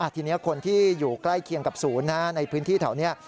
ทีนี้คนที่อยู่ใกล้เคียงกับศูนย์ในพื้นที่แถวนี้